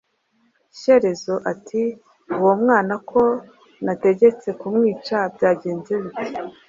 Shyerezo ati:Uwo mwana ko nategetse kumwica byagenze bite?